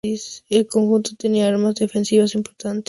El conjunto tenía armas defensivas importantes, incluidas catapultas.